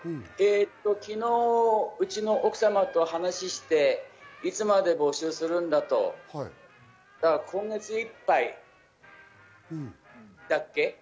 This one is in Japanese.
昨日、うちの奥様と話をして、いつまで募集するんだと、今月いっぱいだっけ？